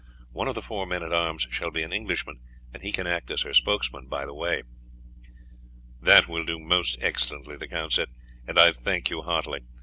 One of the four men at arms shall be an Englishman, and he can act as her spokesman by the way." "That will do most excellently," the count said, "and I thank you heartily.